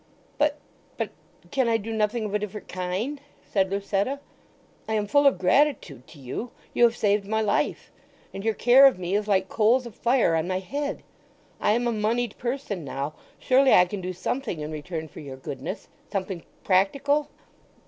"But—but—can I do nothing of a different kind?" said Lucetta. "I am full of gratitude to you—you have saved my life. And your care of me is like coals of fire on my head! I am a monied person now. Surely I can do something in return for your goodness—something practical?"